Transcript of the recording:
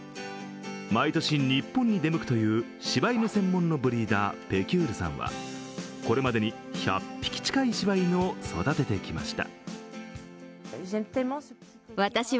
毎年、日本に出向くというしば犬専門のブリーダー、ペキュールさんはこれまでに１００匹近いしば犬を育ててきました。